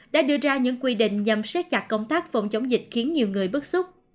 đã đưa ra những quy định nhằm xét chặt công tác phòng chống dịch khiến nhiều người bức xúc